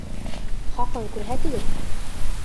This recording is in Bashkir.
Хаҡын күрһәтегеҙ